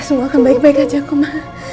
semua akan baik baik aja kemana